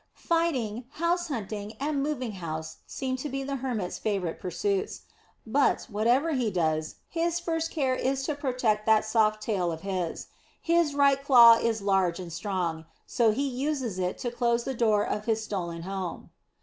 Fighting, house hunting, and moving house seem to be the Hermit's favourite pursuits. But, whatever he does, his first care is to protect that soft tail of his. His right claw is large and strong, so he uses it to close the door of his stolen home.